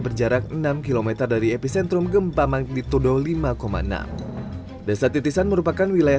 berjarak enam km dari epicentrum gempa magnitudo lima enam desa titisan merupakan wilayah